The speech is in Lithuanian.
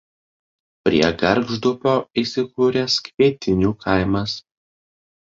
Prie Gargždupio įsikūręs Kvietinių kaimas.